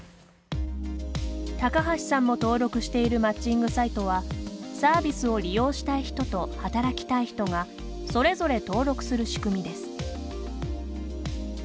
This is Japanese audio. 高橋さんも登録しているマッチングサイトはサービスを利用したい人と働きたい人がそれぞれ登録する仕組みです。